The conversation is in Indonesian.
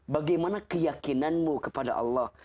bagaimana keyakinanmu kepada allah